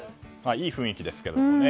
いい雰囲気ですよね。